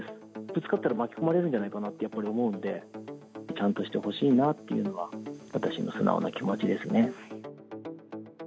ぶつかったら、巻き込まれるんじゃないかなって、やっぱり思うので、ちゃんとしてほしいなっていうのが、私の素直な気持ちですね。